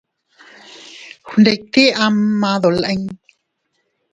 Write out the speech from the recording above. Gnditit ama dolin.